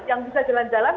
yang bisa jalan jalan